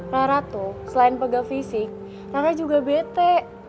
rara tuh selain pegal fisik rara juga bete